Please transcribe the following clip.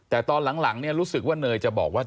แต่ตอนหลังรู้สึกว่าเนยจะบอกว่า